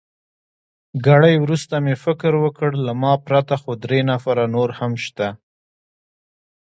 ګړی وروسته مې فکر وکړ، له ما پرته خو درې نفره نور هم شته.